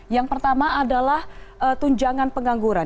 yang pertama adalah tunjangan pengangguran